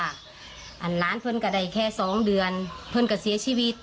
อันหลานเพื่อนกันได้แค่สองเดือนเพื่อนกับเสียชีวิต